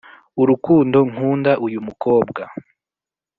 urukundo nkunda uyu mukobwa